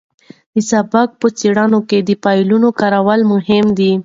د سبک په څېړنه کې د فعلونو کارول مهم دي.